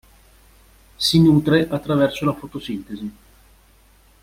Si nutre attraverso la fotosintesi.